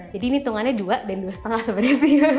jadi ini hitungannya dua dan dua setengah sebenarnya sih